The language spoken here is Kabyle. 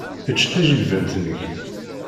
Ečč tajilbant-nnek.